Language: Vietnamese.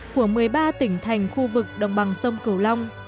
của một mươi ba tỉnh thành khu vực đồng bằng sông cửu long